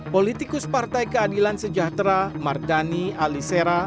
politikus partai keadilan sejahtera mardani alisera